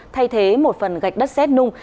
thay thế một phần gạch đất xét nung